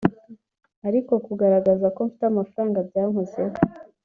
ariko kugaragaza ko mfite amafaranga byankozeho